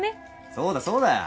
そうだそうだ！